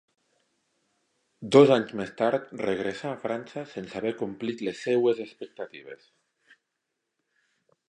Dos anys més tard regressà a França sense haver complit les seues expectatives.